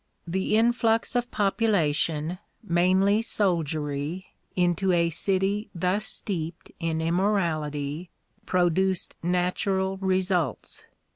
The influx of population, mainly soldiery, into a city thus steeped in immorality, produced natural results.